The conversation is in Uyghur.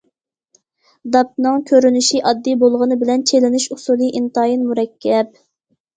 داپنىڭ كۆرۈنۈشى ئاددىي بولغىنى بىلەن چېلىنىش ئۇسۇلى ئىنتايىن مۇرەككەپ.